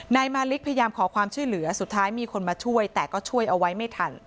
นายมาริกพยายามขอความช่วยเหลือสุดท้ายมีคนมาช่วยแต่ก็ช่วยเอาไว้ไม่ทัน